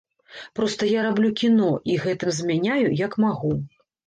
Проста я раблю кіно, і гэтым змяняю, як магу.